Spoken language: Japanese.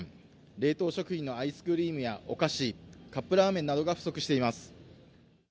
冷凍食品のアイスクリームやお菓子、カップラーメンなどが不足しています。